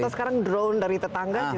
atau sekarang drone dari tetangga